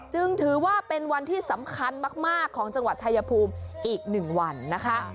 จึงถือว่าเป็นวันที่สำคัญมากของจังหวัดชายภูมิอีก๑วันนะคะ